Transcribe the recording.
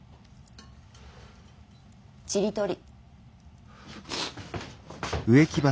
ちりとり。